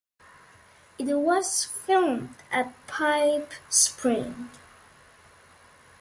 It was filmed at Pipe Spring.